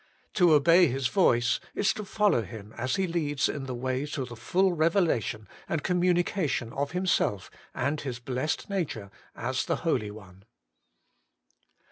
To obey His voice is to follow Him as He leads in the way to the full revelation and communication of Himself and His blessed nature as the Holy One.